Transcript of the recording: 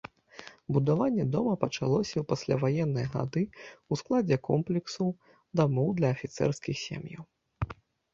Будаванне дома пачалося ў пасляваенныя гады ў складзе комплексу дамоў для афіцэрскіх сем'яў.